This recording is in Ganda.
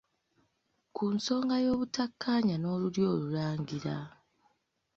Ku nsonga y'obutakkaanya n'Olulyo Olulangira